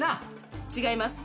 違います。